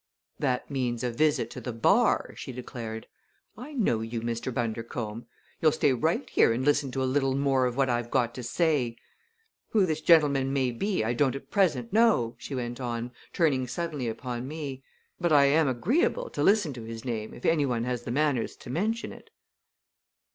"That means a visit to the bar!" she declared. "I know you, Mr. Bundercombe. You'll stay right here and listen to a little more of what I've got to say. Who this gentleman may be I don't at present know," she went on, turning suddenly upon me; "but I am agreeable to listen to his name if any one has the manners to mention it."